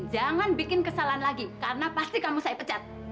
jangan bikin kesalahan lagi karena pasti kamu saya pecat